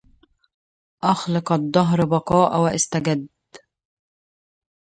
أخلق الدهر بقاء واستجد